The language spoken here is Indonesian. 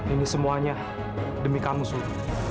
ini semuanya demi kamu sul